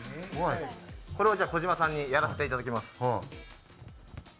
これを児嶋さんにやらせていただきます。